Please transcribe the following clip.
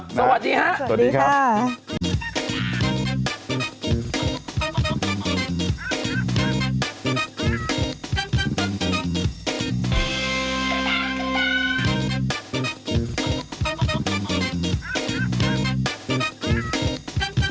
ครับสวัสดีครับสวัสดีครับช่วงหลัง